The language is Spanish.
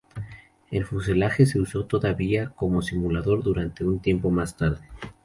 El fuselaje se usó todavía como simulador durante un tiempo más tarde.